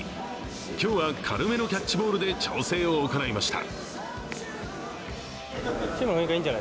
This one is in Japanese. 今日は軽めのキャッチボールで調整を行いました。